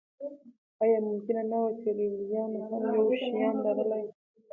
ایا ممکنه نه وه چې لېلیانو هم یو شیام لرلی.